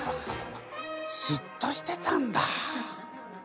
しっとしてたんだ。